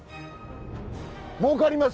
もうかります？